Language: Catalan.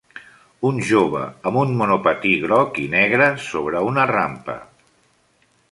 Un jove amb un monopatí groc i negre sobre una rampa.